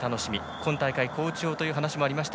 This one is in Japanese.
今大会好調という話がありました